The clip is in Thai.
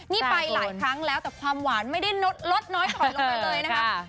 นี่ไปหลายครั้งแล้วแต่ความหวานไม่ได้ลดน้อยถอยลงไปเลยนะครับ